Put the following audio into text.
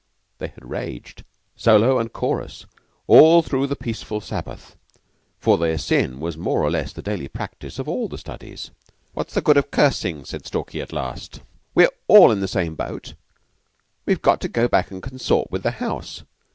They had raged, solo and chorus, all through the peaceful Sabbath, for their sin was more or less the daily practice of all the studies. "What's the good of cursing?" said Stalky at last. "We're all in the same boat. We've got to go back and consort with the house.